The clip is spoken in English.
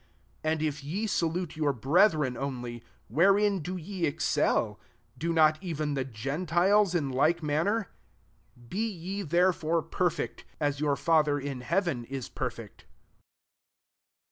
47 And if ye salute your brethren only, wherein do ye excel ? do not even the gen tiles in like manner ? 48 Be ye therefore perfect, as your Fath er in heaven is perfect.